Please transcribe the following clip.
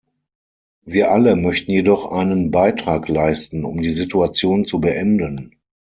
Wir alle möchten jedoch einen Beitrag leisten, um die Situation zu beenden.